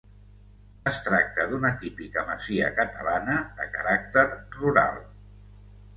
Es tracta d'una típica masia catalana de caràcter rural.